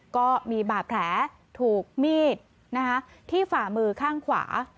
ก็มีบาดแผลถูกมีดที่ฝ่ามือข้างขวา